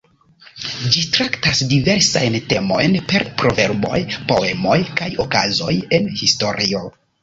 Ĝi traktas diversajn temojn per proverboj, poemoj, kaj okazoj en historio.